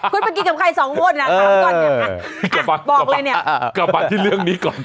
คุณไปกินกับใครสองคนอ่ะถามก่อนเนี่ยบอกเลยเนี่ยกลับมาที่เรื่องนี้ก่อน